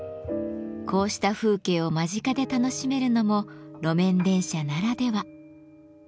こうした風景を間近で楽しめるのも路面電車ならでは。